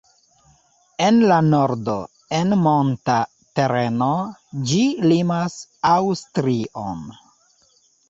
En la nordo, en monta tereno, ĝi limas Aŭstrion.